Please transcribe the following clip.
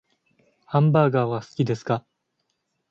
ハンバーガーは好きですか？